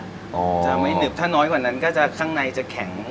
จะไม่หนึบถ้าน้อยกว่านั้นก็จะข้างในจะแข็ง